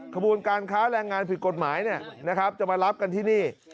ขบูรณ์การค้าแรงงานผิดกฎหมายเนี่ยนะครับจะมารับกันที่นี่